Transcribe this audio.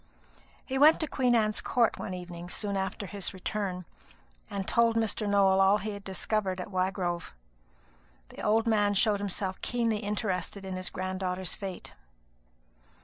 He went to Queen Anne's Court one evening soon after his return, and told Mr. Nowell all he had discovered at Wygrove. The old man showed himself keenly interested in his grand daughter's fate.